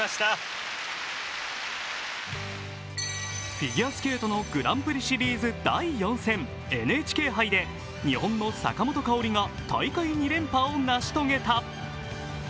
フィギュアスケートのグランプリシリーズ第４戦ＮＨＫ杯で日本の坂本花織が大会２連覇を成し遂げた。